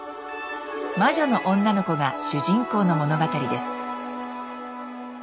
魔女の女の子が主人公の物語です。